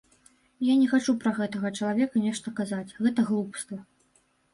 Я не хачу пра гэтага чалавека нешта казаць, гэта глупства.